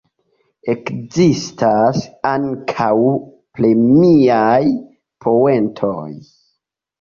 Ekzistas ankaŭ premiaj poentoj.